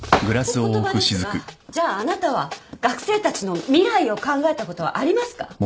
お言葉ですがじゃああなたは学生たちの未来を考えたことはありますか？